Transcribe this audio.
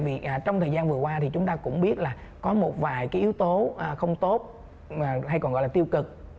vì trong thời gian vừa qua thì chúng ta cũng biết là có một vài cái yếu tố không tốt hay còn gọi là tiêu cực